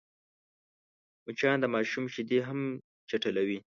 مچان د ماشوم شیدې هم چټلوي